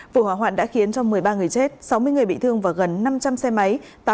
vụ hỏa hoạn đã khiến cho một mươi ba người chết sáu mươi người bị thương và gần năm trăm linh xe máy